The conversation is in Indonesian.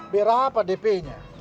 berapa dp nya